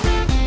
ya itu dia